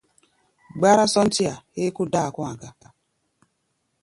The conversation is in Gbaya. Gbárá-sɔ́ntí-a héé kó dáa kɔ̧́-a̧ ga.